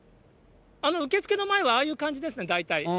受付の前は、ああいう感じですね、大体。